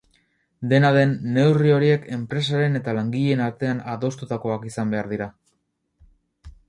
Dena den, neurri horiek enpresaren eta langileen artean adostutakoak izan behar dira.